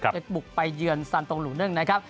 จะบุกไปเยือนซานตรงหลูนึ่งนะครับ